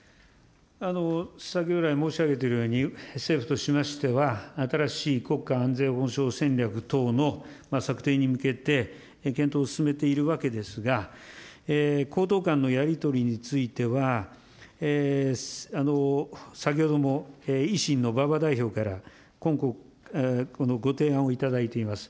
先ほど来申し上げているように、政府としましては、新しい国家安全保障戦略等の策定に向けて、検討を進めているわけですが、公党間のやり取りについては、先ほども維新の馬場代表から、ご提案をいただいています。